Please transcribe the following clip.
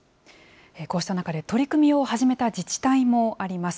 こうした中で、取り組みを始めた自治体もあります。